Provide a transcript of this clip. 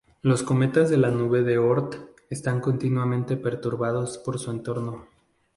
Los cometas de la nube de Oort están continuamente perturbados por su entorno.